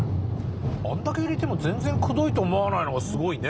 あれだけ入れても全然クドイと思わないのがスゴイね！